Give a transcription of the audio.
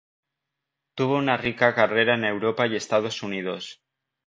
Tuvo una rica carrera en Europa y Estados Unidos.